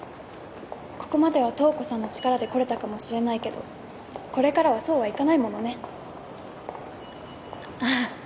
ここまでは瞳子さんの力で来れたかもしれないけどこれからはそうはいかないものねああ